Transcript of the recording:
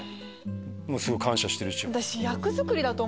すごい感謝してるし。